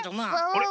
あれ？